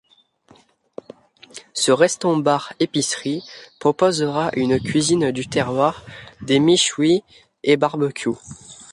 Ce restaurant bar epicerie proposera une cuisine du terroir des mechouis et barbecue.